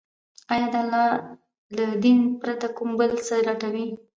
آيا د الله له دين پرته كوم بل څه لټوي،